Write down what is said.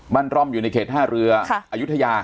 ร่อมอยู่ในเขตท่าเรืออายุทยา